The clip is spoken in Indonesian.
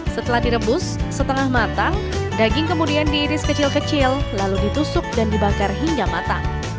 setelah direbus setengah matang daging kemudian diiris kecil kecil lalu ditusuk dan dibakar hingga matang